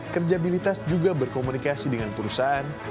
kerjabilitas juga berkomunikasi dengan perusahaan